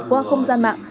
qua không gian mạng